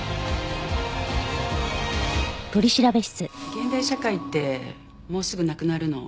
「現代社会」ってもうすぐなくなるの知ってます？